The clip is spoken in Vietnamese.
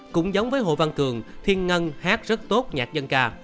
cũng giống với hồ văn cường thiên ngân hát rất tốt nhạc dân ca